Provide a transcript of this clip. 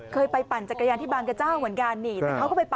เคยไปปั่นจักรยานที่บางกระเจ้าเหมือนกัน